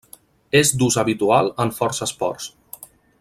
És d'ús habitual en força esports.